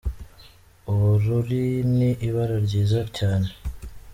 Ubururi ni ibara ryiza cyane.